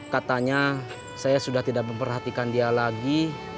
katanya saya sudah tidak memperhatikan dia lagi